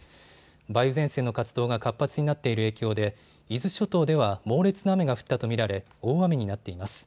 梅雨前線の活動が活発になっている影響で伊豆諸島では猛烈な雨が降ったと見られ、大雨になっています。